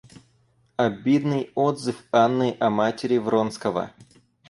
Обидный отзыв Анны о матери Вронского.